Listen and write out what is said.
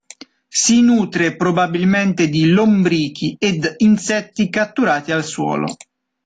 Si nutre probabilmente di lombrichi ed insetti catturati al suolo.